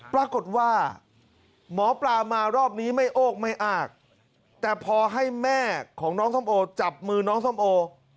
ปรากฏว่าหมอปลามารอบนี้ไม่โอกไม่อากแต่พอให้แม่ของน้องส้มโอจับมือน้องส้มโอ